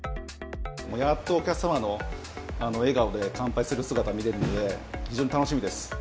やっとお客様の笑顔で乾杯する姿を見れるので、非常に楽しみです。